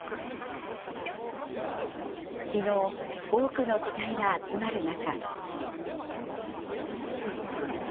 きのう、多くの期待が集まる中。